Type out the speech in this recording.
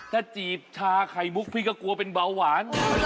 ถ้าจีบชาไข่มุกพี่ก็กลัวเป็นเบาหวาน